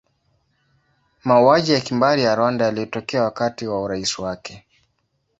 Mauaji ya kimbari ya Rwanda yalitokea wakati wa urais wake.